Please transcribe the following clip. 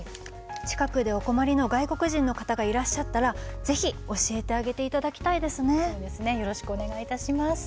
近くでお困りの外国人の方がいらっしゃったらぜひ教えてあげていただきたいですね。